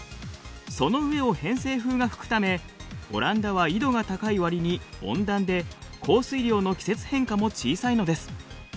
その上を偏西風が吹くためオランダは緯度が高いわりに温暖で降水量の季節変化も小さいのです。